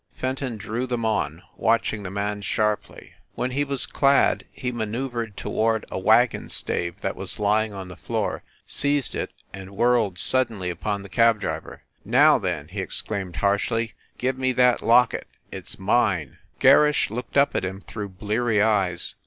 Fenton drew them on, watch ing his man sharply. When he was clad he manceu vered toward a wagon stave that was lying on the floor, seized it, and whirled suddenly upon the cab driver. "Now then/ he exclaimed harshly, "give me that locket! It s mine." Gerrish looked up at him through bleary eyes.